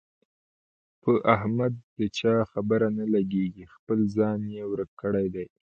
په احمد د چا خبره نه لګېږي، خپل ځان یې ورک کړی دی.